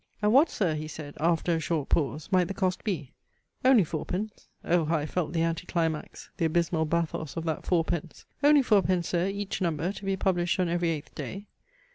"And what, Sir," he said, after a short pause, "might the cost be?" "Only four pence," (O! how I felt the anti climax, the abysmal bathos of that four pence!) "only four pence, Sir, each number, to be published on every eighth day."